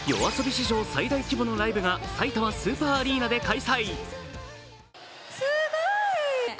史上最大規模のライブがさいたまスーパーアリーナで開催。